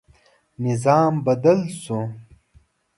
نظام بدل شو.